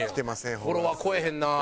フォロワー超えへんな。